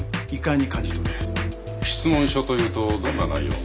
質問書というとどんな内容の？